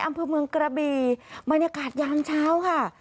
อำเภอเมืองกระบีบรรยากาศยามเช้าค่ะ